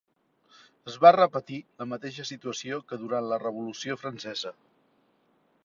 Es va repetir la mateixa situació que durant la Revolució Francesa.